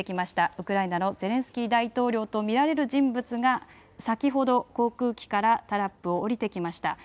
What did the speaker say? ウクライナのゼレンスキー大統領と見られる人物が先ほど航空機からタラップを降りてきました。